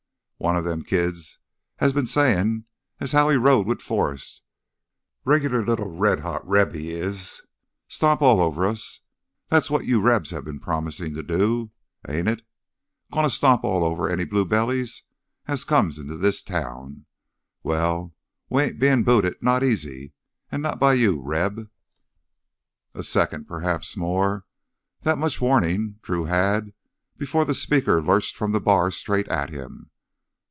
"One of them kids had been sayin' as how he rode with Forrest, regular li'l red hot Reb, he is. Stomp all over us ... that's what you Rebs has been promisin' to do, ain't it? Gonna stomp all over any Blue Bellies as comes into this town? Well, we ain't bein' booted—not easy—an' not by you, Reb!" A second, perhaps more—that much warning Drew had before the speaker lurched from the bar straight for him.